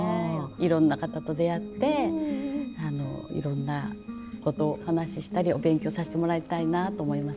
いろんな方と出会っていろんなことお話ししたりお勉強させてもらいたいなと思います